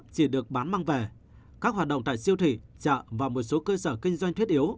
chỉ được bán mang về các hoạt động tại siêu thị chợ và một số cơ sở kinh doanh thiết yếu